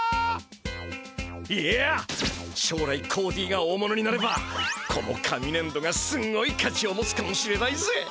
いやしょうらいコーディが大物になればこの紙ねんどがすんごいかちを持つかもしれないぜ。